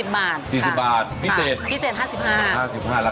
๔๐บาทพิเศษ๕๕ราคาเดียวกันเลย